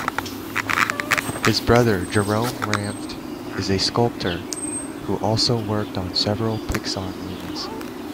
His brother, Jerome Ranft, is a sculptor who also worked on several Pixar movies.